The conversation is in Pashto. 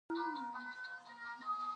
روپیو ته را کمې شوې.